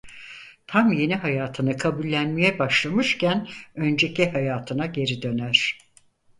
Tam yeni hayatını kabullenmeye başlamışken önceki hayatına geri döner.